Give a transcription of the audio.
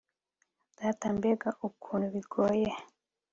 Data mbega ukuntu bigoye